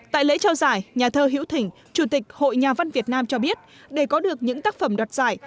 tại lễ trao giải nhà thơ hiễu chủ tịch hội nhà văn việt nam cho biết để có được những tác phẩm đoạt giải